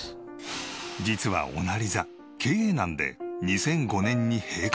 実は御成座経営難で２００５年に閉館。